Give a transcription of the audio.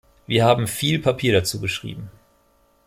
Wir haben viel Papier dazu beschrieben.